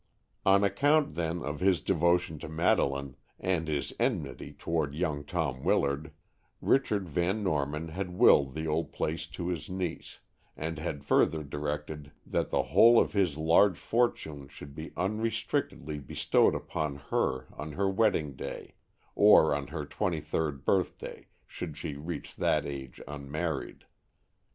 On account, then, of his devotion to Madeleine, and his enmity toward young Tom Willard, Richard Van Norman had willed the old place to his niece, and had further directed that the whole of his large fortune should be unrestrictedly bestowed upon her on her wedding day, or on her twenty third birthday, should she reach that age unmarried.